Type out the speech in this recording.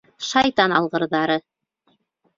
Шайтан алғырҙары!